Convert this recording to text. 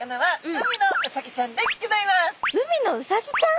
海のウサギちゃん？